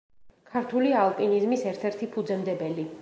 ქართული ალპინიზმის ერთ-ერთი ფუძემდებელი.